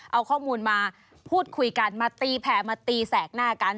เอาข้อมูลมาพูดคุยกันมาตีแผ่มาตีแสกหน้ากัน